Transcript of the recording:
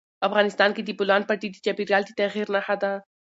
افغانستان کې د بولان پټي د چاپېریال د تغیر نښه ده.